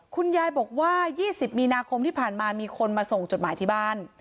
คุณยายบอกว่า๒๐มีนาคมที่ผ่านมามีคนมาส่งจดหมายที่บ้าน